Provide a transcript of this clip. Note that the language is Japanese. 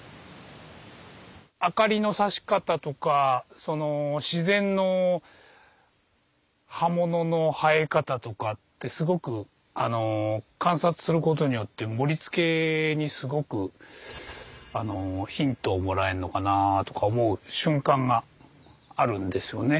明かりのさし方とかその自然の葉物の生え方とかってすごく観察することによって盛り付けにすごくヒントをもらえんのかなとか思う瞬間があるんですよね。